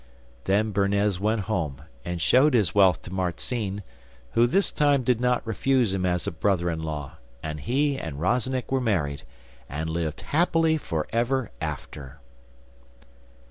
Then Bernez went home, and showed his wealth to Marzinne, who this time did not refuse him as a brother in law, and he and Rozennik were married, and lived happy for ever after.